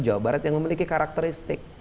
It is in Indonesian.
jawa barat yang memiliki karakteristik